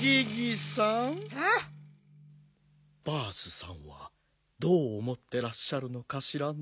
バースさんはどうおもってらっしゃるのかしらね。